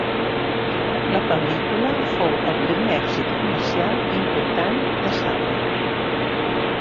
La pel·lícula fou el primer èxit comercial important de Saura.